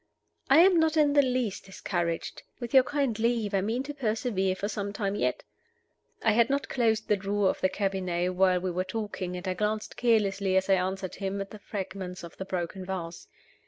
"I am not in the least discouraged. With your kind leave, I mean to persevere for some time yet." I had not closed the drawer of the cabinet while we were talking, and I glanced carelessly, as I answered him, at the fragments of the broken vase.